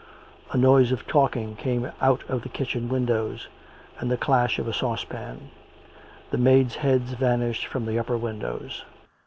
A noise of talking came out of the kitchen windows and the clash of a saucepan: the maids' heads vanished from the upper windows.